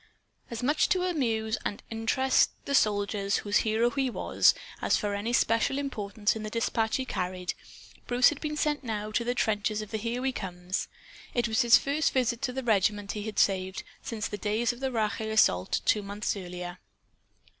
As much to amuse and interest the soldiers whose hero he was, as for any special importance in the dispatch he carried, Bruce had been sent now to the trenches of the Here We Comes. It was his first visit to the regiment he had saved, since the days of the Rache assault two months earlier.